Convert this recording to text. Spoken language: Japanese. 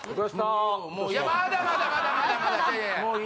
まだまだまだまだ。